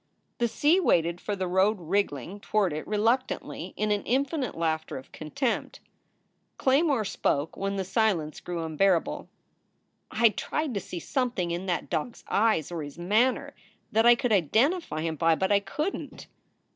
The sea waited for the road wriggling toward it reluc tantly, in an infinite laughter of contempt. SOULS FOR SALE 285 Claymore spoke when the silence grew unbearable: "I tried to see something in that dog s eyes or his manner that I could identify him by, but I couldn t."